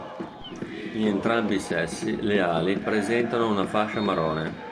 In entrambi i sessi le ali presentano una fascia marrone.